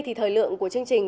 thời lượng của chương trình